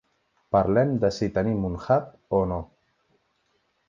Parlem de si tenim un hub o no.